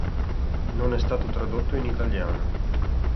Non è stato tradotto in italiano.